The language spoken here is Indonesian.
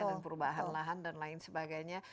dan perubahan lahan dan lain sebagainya